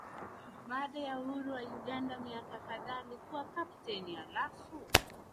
Baada ya uhuru wa Uganda miaka kadhaa alikuwa kapteni halafu